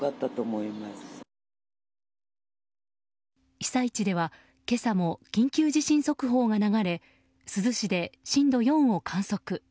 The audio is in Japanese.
被災地では今朝も緊急地震速報が流れ珠洲市で震度４を観測。